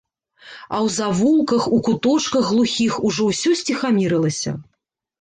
А ў завулках, у куточках глухіх ужо ўсё сціхамірылася.